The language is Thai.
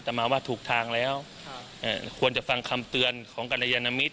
ตามมาว่าถูกทางแล้วค่ะเอ่อควรจะฟังคำเตือนของกรรยานมิตร